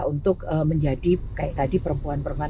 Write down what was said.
untuk menjadi kayak tadi perempuan perempuan